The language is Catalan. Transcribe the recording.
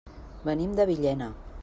Venim de Villena.